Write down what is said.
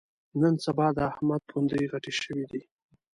نن سبا د احمد پوندې غټې شوې دي.